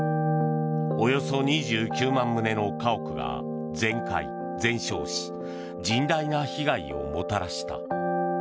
およそ２９万棟の家屋が全壊・全焼し甚大な被害をもたらした。